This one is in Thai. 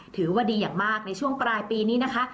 ถือว่าดีอย่างมากในช่วงปลายปีนี้นะคะ